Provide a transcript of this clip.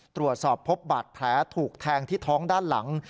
ตรวจสอบพบบาดแผลถูกแทงที่ท้องด้านหลัง